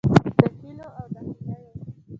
د هیلو او نهیلیو